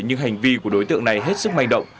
nhưng hành vi của đối tượng này hết sức manh động